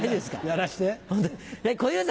やらして。